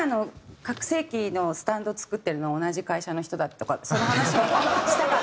拡声器のスタンド作ってるの同じ会社の人だとかその話もしたかった。